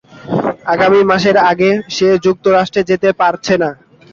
আগামী মাসের আগে সে যুক্তরাষ্ট্রে যেতে পারছে না।